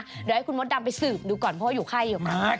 เดี๋ยวให้คุณมดดำไปสืบดูก่อนเพราะว่าอยู่ค่ายอยู่ไหม